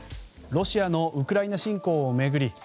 ロシアのウクライナ侵攻を巡り